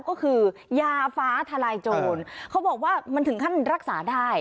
ก็คือยาฟ้าทลายโจรเขาบอกว่ามันถึงขั้นรักษาได้